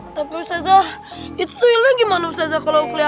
tapi ustazah itu tuyulnya gimana ustazah kalo aku keliaran